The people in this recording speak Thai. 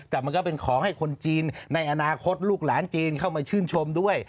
แต่มันก็เป็นของให้คนจีนในอนาคตลูกหลานจีนเข้ามาชื่นชมด้วย